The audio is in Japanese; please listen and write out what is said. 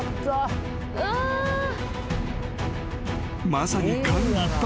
［まさに］